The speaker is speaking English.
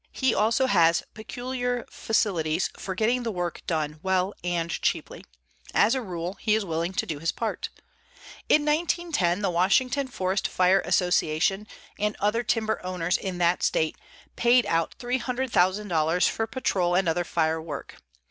He also has peculiar facilities for getting the work done well and cheaply. As a rule he is willing to do his part. In 1910 the Washington Forest Fire Association and other timber owners in that state paid out $300,000 for patrol and other fire work.